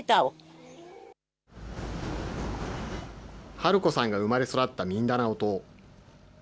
ハルコさんが生まれ育ったミンダナオ島。